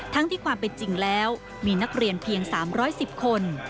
ที่ความเป็นจริงแล้วมีนักเรียนเพียง๓๑๐คน